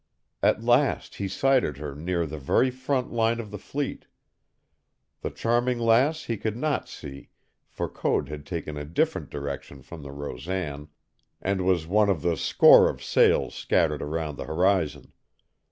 At last he sighted her near the very front line of the fleet. The Charming Lass he could not see, for Code had taken a different direction from the Rosan, and was one of the score of sails scattered around the horizon.